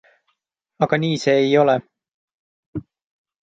Aga nii see ei ole.